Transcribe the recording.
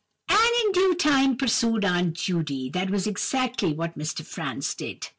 "And in due time," pursued Aunt Judy, "that was exactly what Mr. Franz did.